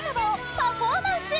パフォーマンス！